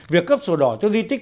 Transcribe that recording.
việc cấp sổ đỏ cho di tích